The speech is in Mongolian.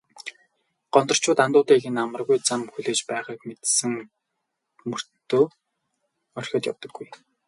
Гондорчууд андуудыг нь амаргүй зам хүлээж байгааг мэдсэн мөртөө орхиод явдаггүй.